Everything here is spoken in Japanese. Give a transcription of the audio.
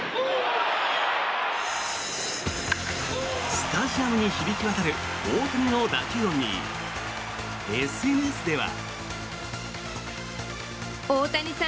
スタジアムに響き渡る大谷の打球音に、ＳＮＳでは。